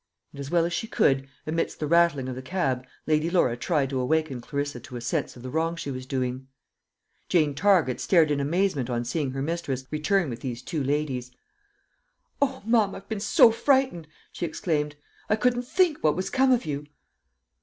And as well as she could, amidst the rattling of the cab, Lady Laura tried to awaken Clarissa to a sense of the wrong she was doing. Jane Target stared in amazement on seeing her mistress return with these two ladies. "O, ma'am, I've been, so frightened!" she exclaimed. "I couldn't think what was come of you."